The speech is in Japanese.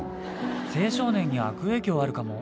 青少年に悪影響あるかも。